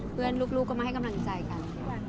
เพื่อนลูกก็มาให้กำลังใจกัน